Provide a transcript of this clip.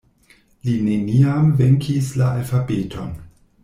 Li neniam venkis la alfabeton.